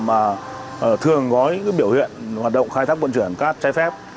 mà thường có những biểu hiện hoạt động khai thác bộn truyền cát chế phép